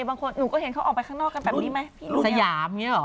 บางคนหนูก็เห็นเขาออกไปข้างนอกกันแบบนี้ไหมสยามอย่างนี้หรอ